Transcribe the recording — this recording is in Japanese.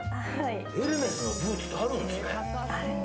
エルメスのブーツってあるんですね。